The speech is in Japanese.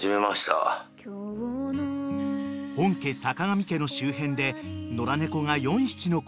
［本家坂上家の周辺で］